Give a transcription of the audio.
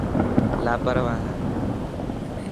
لاپرواهه هي.